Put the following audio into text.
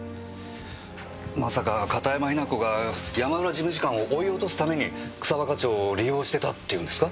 まさか片山雛子が山浦事務次官を追い落とすために草葉課長を利用してたっていうんですか？